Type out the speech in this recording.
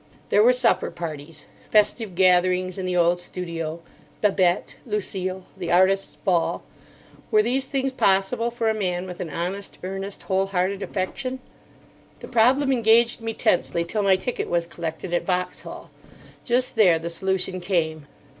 There were supper parties.... Festive gatherings in the old studio.... Babette.... Lucille.... The artists' ball.... Were these things possible for a man with an honest, earnest, whole hearted affection? The problem engaged me tensely till my ticket was collected at Vauxhall. Just there the solution came.